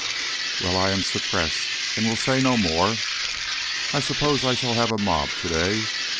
"Well, I am suppressed and will say no more. I suppose I shall have a mob to day.